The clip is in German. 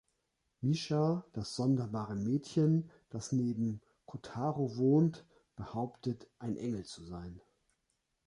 Misha, das sonderbare Mädchen, das neben Kotaro wohnt, behauptet, ein Engel zu sein.